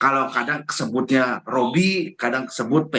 kalau kadang kesebutnya robi kadang kesebutnya itu